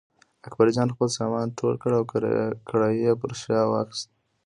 اکبرجان خپل سامان ټول کړ او کړایی یې پر شا واخیست.